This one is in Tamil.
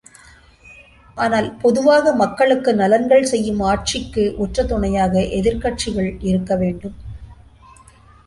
ஆனால், பொதுவாக மக்களுக்கு நலன்கள் செய்யும் ஆட்சிக்கு உற்ற துணையாக எதிர்க்கட்சிகள் இருக்க வேண்டும்.